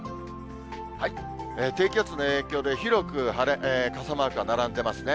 低気圧の影響で広く晴れ、傘マークが並んでますね。